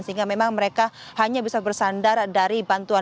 sehingga memang mereka hanya bisa bersandar dari bantuan